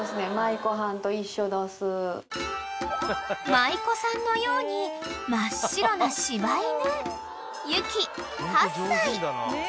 ［舞妓さんのように真っ白な柴犬］